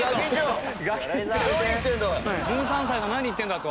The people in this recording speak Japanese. １３歳が何言ってるんだと。